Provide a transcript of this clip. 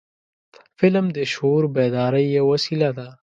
فلم د شعور بیدارۍ یو وسیله ده